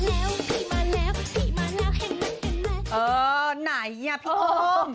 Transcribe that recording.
เออไหนล่ะพี่โอ้ม